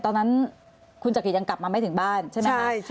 ตอนนั้นคุณจักริตยังกลับมาไม่ถึงบ้านใช่ไหมคะ